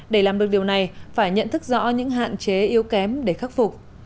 để làm được điều này phải nhận thức rõ những hạn chế yếu kém để khắc phục